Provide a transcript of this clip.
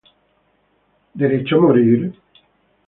Right to Die?